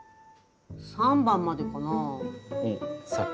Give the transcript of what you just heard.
３番までかなあ。